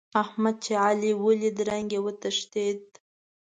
احمد چې علي وليد؛ رنګ يې وتښتېد.